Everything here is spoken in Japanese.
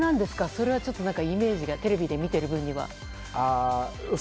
それはイメージがテレビで見ている分には。